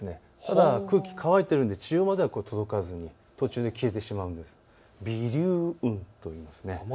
ただ空気が乾いているので地上までは届かずに途中で消えてしまう、尾流雲といいます。